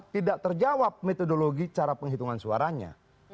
tidak terjawab metodologi cara penghitungan suaranya